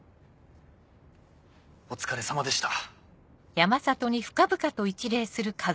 お疲れさまでした。